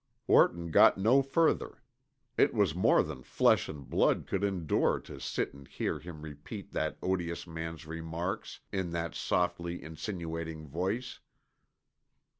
'" Orton got no further. It was more than flesh and blood could endure to sit and hear him repeat that odious man's remarks in that softly insinuating voice.